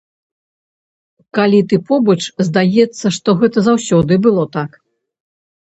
Калі ты побач, здаецца, што гэта заўсёды было так.